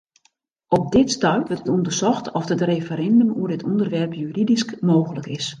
Op dit stuit wurdt ûndersocht oft in referindum oer dit ûnderwerp juridysk mooglik is.